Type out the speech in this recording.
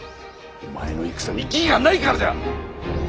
お前の戦に義がないからじゃ！